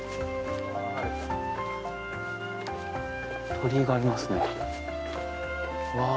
鳥居がありますね。